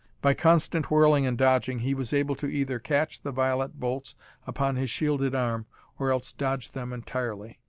By constant whirling and dodging he was able to either catch the violet bolts upon his shielded arm or else dodge them entirely.